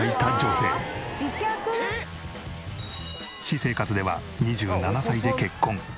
私生活では２７歳で結婚。